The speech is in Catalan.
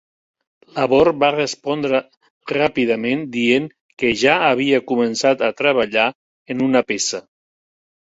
Labor va respondre ràpidament dient que ja havia començat a treballar en una peça.